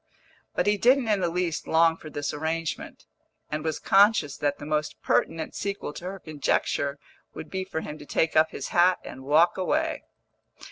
But he didn't in the least long for this arrangement, and was conscious that the most pertinent sequel to her conjecture would be for him to take up his hat and walk away.